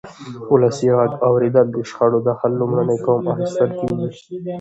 ولسي غږ اورېدل د شخړو د حل لومړنی ګام ګڼل کېږي